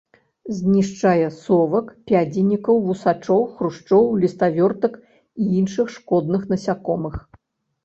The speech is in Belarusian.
Знішчае совак, пядзенікаў, вусачоў, хрушчоў, ліставёртак і іншых шкодных насякомых.